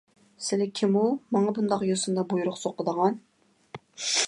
سىلى كىمۇ، ماڭا بۇنداق يوسۇندا بۇيرۇق سوقىدىغان؟